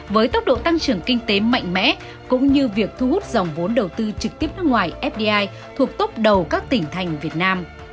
với tốc độ tăng trưởng kinh tế mạnh mẽ cũng như việc thu hút dòng vốn đầu tư trực tiếp nước ngoài fdi thuộc tốc đầu các tỉnh thành việt nam